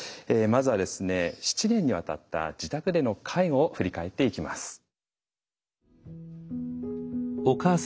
まずは７年にわたった自宅での介護を振り返っていきます。